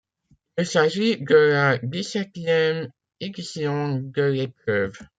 Il s'agit de la dix-septième édition de l'épreuve.